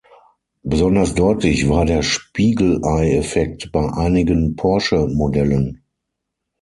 Besonders deutlich war der Spiegelei-Effekt bei einigen Porsche-Modellen.